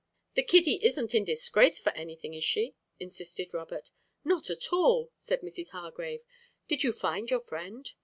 "The kiddie isn't in disgrace for anything, is she?" insisted Robert. "Not at all!" said Mrs. Hargrave. "Did you find your friend?"